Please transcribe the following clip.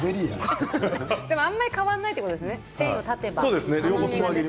でも、あまり変わらないということですね、繊維が。